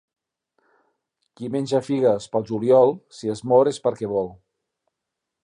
Qui menja figues pel juliol, si es mor és perquè vol.